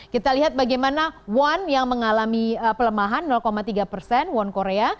kita lihat bagaimana won yang mengalami pelemahan tiga persen won korea